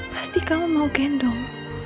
pasti kamu mau gendong